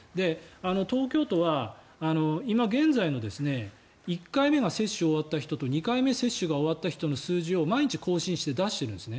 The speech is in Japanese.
東京都は今現在の１回目の接種が終わった人と２回目の接種が終わった人の数字を毎日更新して出しているんですね。